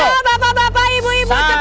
ayo bapak bapak ibu ibu cepat